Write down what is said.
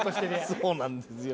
そうなんですよ。